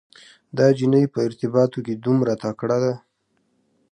دا انجلۍ په ارتباطاتو کې دومره تکړه ده.